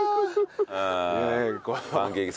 ああパンケーキ。